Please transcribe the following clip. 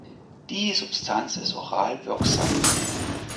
Die Substanz ist oral wirksam.